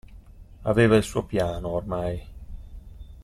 Aveva il suo piano, ormai.